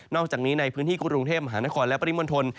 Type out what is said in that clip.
นอกจากนี้ในพื้นที่กุฏรุงเทพฯมหานครและปฏิมนต์ทน